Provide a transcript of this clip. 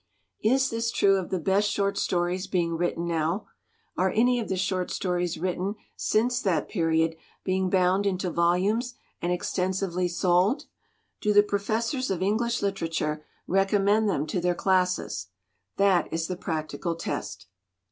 ''Is this true of the best short stories being written now ? Are any of the short stories written since that period being bound into volumes and extensively sold? Do the professors of English literature recommend them to their classes? That is the practical test.